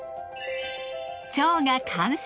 蝶が完成！